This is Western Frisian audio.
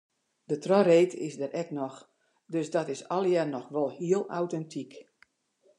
De trochreed is der ek noch, dus dat is allegear noch wol heel autentyk.